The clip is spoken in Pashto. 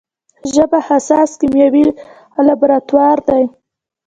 ژبه حساس کیمیاوي لابراتوار دی.